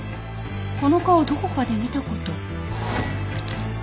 この顔どこかで見た事。